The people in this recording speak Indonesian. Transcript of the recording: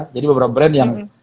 jadi beberapa brand yang